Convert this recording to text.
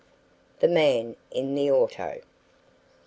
THE MAN IN THE AUTO.